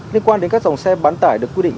liên quan đến các dòng xe bán tải được quy định